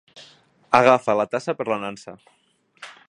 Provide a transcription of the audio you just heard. Agafa la tassa per la nansa.